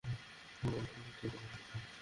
Morpheus, থামো!